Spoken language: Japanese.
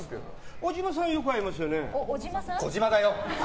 オジマさんはよく会いますよね。